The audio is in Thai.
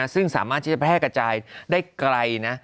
ซึ่งสามารถที่จะแพร่กระจายได้ไกลนะ